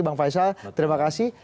bang faisal terima kasih